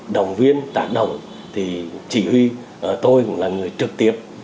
động viên tán động thì chỉ huy tôi cũng là người trực tiếp